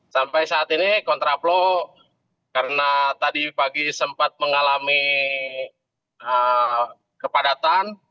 sampai saat ini kontraplo karena tadi pagi sempat mengalami kepadatan